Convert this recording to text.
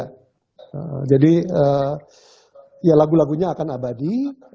nah jadi ya lagu lagunya akan abadi